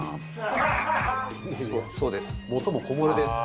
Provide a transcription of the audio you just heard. そうです。